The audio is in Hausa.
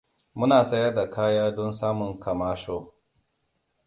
Muna sayar da kaya don samun kamasho.